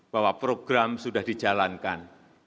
bahwa program sudah dijalankan